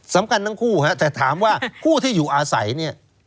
สำคัญทั้งคู่ฮะแต่ถามว่าคู่ที่อยู่อาศัยเนี่ย